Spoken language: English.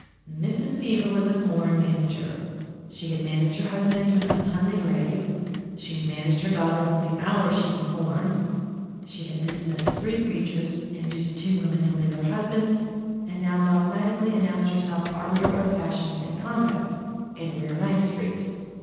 Mrs. Beaver was a born manager; she had managed her husband into an untimely grave, she had managed her daughter from the hour she was born, she had dismissed three preachers, induced two women to leave their husbands, and now dogmatically announced herself arbiter of fashions and conduct in Rear Ninth Street.